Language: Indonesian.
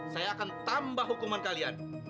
saya akan tambah hukuman kalian